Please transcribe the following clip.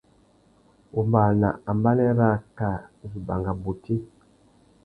Wombāna ambanê râā ka zu banga bôti.